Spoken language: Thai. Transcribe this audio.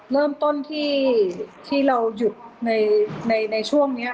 เริ่มต้นที่เราหยุดในช่วงนี้